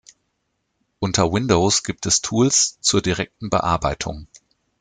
Unter Windows gibt es Tools zur direkten Bearbeitung.